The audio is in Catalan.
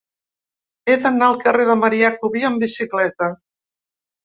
He d'anar al carrer de Marià Cubí amb bicicleta.